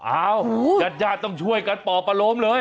อ้าวจัดยาติต้องช่วยกันป่อประโลมเลย